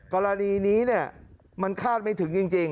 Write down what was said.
กรณีนี้มันคาดไม่ถึงจริง